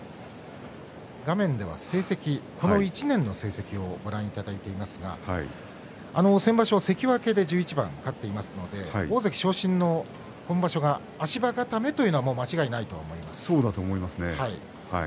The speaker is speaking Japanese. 画面ではこの１年の成績をご覧いただいていますが先場所関脇で１１番勝っていますので大関昇進の今場所が足場固めというのはそうだと思いますね。